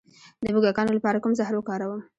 د موږکانو لپاره کوم زهر وکاروم؟